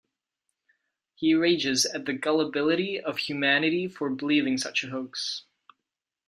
He rages at the gullibility of humanity for believing such a hoax.